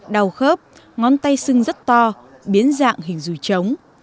đau khớp ngón tay sưng rất to biến dạng hình rùi trống